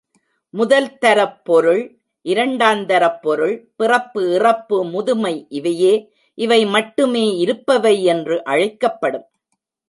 முதல்தரப்பொருள், இரண்டாந்தரப்பொருள், பிறப்பு, இறப்பு, முதுமை இவையே, இவை மட்டுமே, இருப்பவை என்று அழைக்கப்படும்.